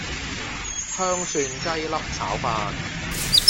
香蒜雞粒炒飯